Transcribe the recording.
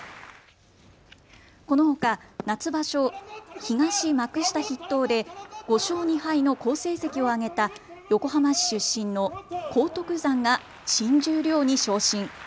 このほか夏場所、東幕下筆頭で５勝２敗の好成績を挙げた横浜市出身の荒篤山が新十両に昇進。